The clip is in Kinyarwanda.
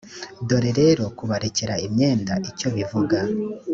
dore rero kubarekera imyenda icyo bivuga: